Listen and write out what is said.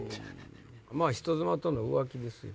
まぁ人妻との浮気ですよ。